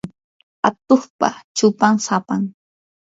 atuqpa chupan sapam.